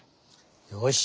よし！